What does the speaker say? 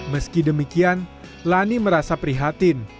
meski demikian lani merasa prihatin